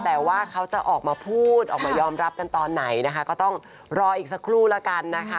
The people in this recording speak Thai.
แต่ว่าเขาจะออกมาพูดออกมายอมรับกันตอนไหนนะคะก็ต้องรออีกสักครู่แล้วกันนะคะ